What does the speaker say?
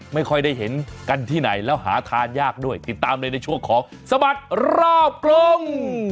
ไม่ค่อยได้เห็นกันที่ไหนแล้วหาทานยากด้วยติดตามเลยในช่วงของสบัดรอบกรุง